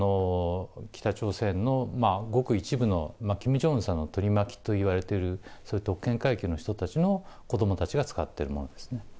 北朝鮮のごく一部の、キム・ジョンウンさんの取り巻きといわれてる、そういう特権階級の人たちの子どもたちが使っているものですね。